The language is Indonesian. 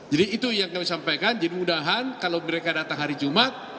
jadi itu yang kami sampaikan jadi mudah mudahan kalau mereka datang hari jumat